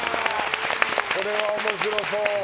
これは面白そう。